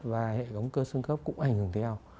và hệ thống cơ sương khớp cũng ảnh hưởng theo